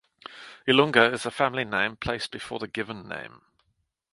Ilunga is a family name placed before the given name.